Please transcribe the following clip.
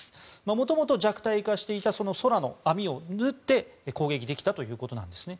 もともと弱体化していた空の網を縫って攻撃できたということなんですね。